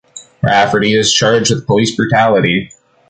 Rafferty is charged with police brutality.